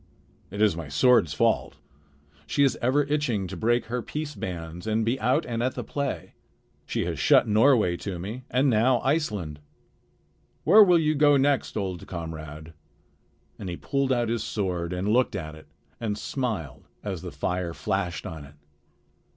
It is my sword's fault. She is ever itching to break her peace bands and be out and at the play. She has shut Norway to me and now Iceland. Where will you go next, old comrade?" and he pulled out his sword and looked at it and smiled as the fire flashed on it.